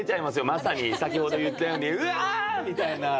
まさに先ほど言ったように「うわっ！」みたいな。